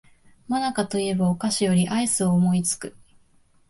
もなかと言えばお菓子よりアイスを思いつく